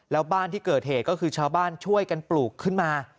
แล้วบ้านที่เกิดเหตุก็คือชาวบ้านช่วยกันปลูกขึ้นมา